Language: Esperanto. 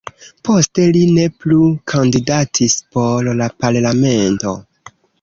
Poste li ne plu kandidatis por la parlamento.